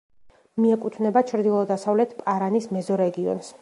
მიეკუთვნება ჩრდილო-დასავლეთ პარანის მეზორეგიონს.